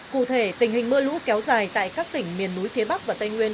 cụ thể tình hình mưa lũ kéo dài tại các tỉnh miền núi phía bắc và tây nguyên